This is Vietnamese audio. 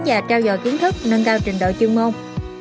và trao dòi kiến thức nâng cao trình độ chương môn